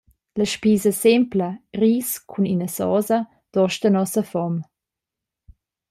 La spisa sempla, ris cun ina sosa, dosta nossa fom.